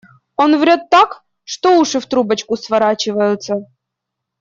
Он врёт так, что уши в трубочку сворачиваются.